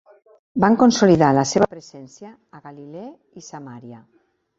Van consolidar la seva presència a Galilee i Samaria.